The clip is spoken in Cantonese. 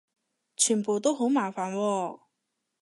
全部都好麻煩喎